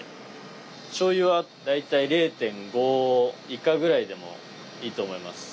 しょうゆは大体０．５以下ぐらいでもいいと思います。